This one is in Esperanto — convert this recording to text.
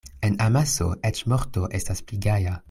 En amaso eĉ morto estas pli gaja.